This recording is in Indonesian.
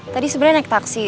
tadi sebenernya naik taksi